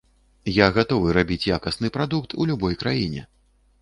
Я гатовы рабіць якасны прадукт у любой краіне.